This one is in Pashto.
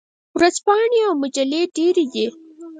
ورځپاڼې او مجلې ډیرې دي.